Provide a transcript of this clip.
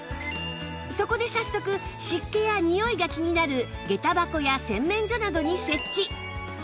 そこで早速湿気やニオイが気になる下駄箱や洗面所などに設置